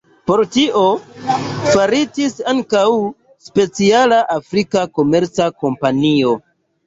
Por tio faritis ankaŭ speciala afrika komerca kompanio.